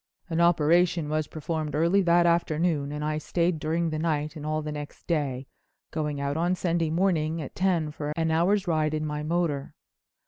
"An operation was performed early that afternoon and I stayed during the night and all the next day, going out on Sunday morning at ten for an hour's ride in my motor.